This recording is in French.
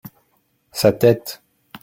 sa tête.